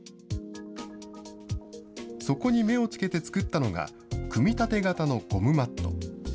そこに目をつけて作ったのが、組立型のゴムマット。